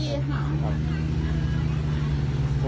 ขอบคุณนะคะ